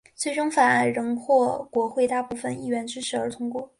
最终法案仍获国会大部份议员支持而通过。